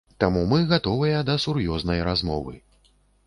Таму мы гатовыя да сур'ёзнай размовы.